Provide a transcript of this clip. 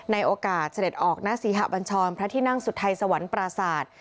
โอกาสเสด็จออกณศรีหะบัญชรพระที่นั่งสุทัยสวรรค์ปราศาสตร์